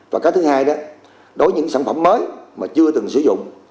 và cái thứ hai đó đối với những sản phẩm mới mà chưa từng sử dụng